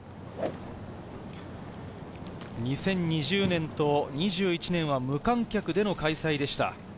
２０２０年と２１年は無観客での開催でした。